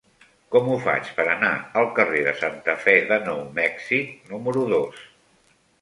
Com ho faig per anar al carrer de Santa Fe de Nou Mèxic número dos?